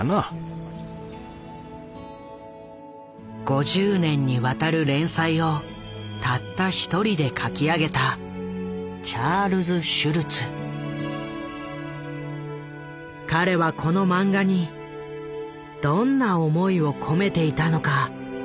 ５０年にわたる連載をたった一人で描き上げた彼はこのマンガにどんな思いを込めていたのか？